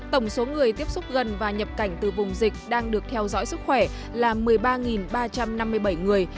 tổng số người tiếp xúc gần và nhập cảnh từ vùng dịch đang được theo dõi sức khỏe là một mươi ba ba trăm năm mươi bảy người